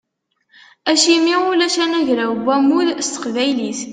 Acimi ulac anagraw n wammud s teqbaylit?